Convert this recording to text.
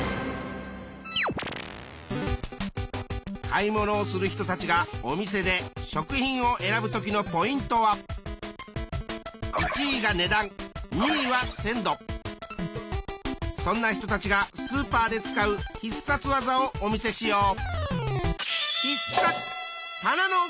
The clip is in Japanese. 買い物をする人たちがお店で食品を選ぶ時のポイントはそんな人たちがスーパーで使う必殺技をお見せしよう！